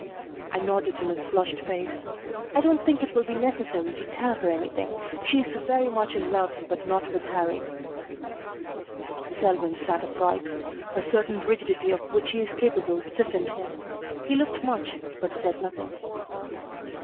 I nodded in his flushed face. "I don't think it will be necessary to tell her anything. She's very much in love, but not with Harrie." Selwyn sat upright. A certain rigidity of which he is capable stiffened him. He looked much, but said nothing.